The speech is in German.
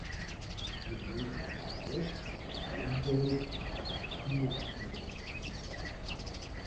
Wir leben aber auch, was die Umwelt und was das Klima angeht, auf Pump.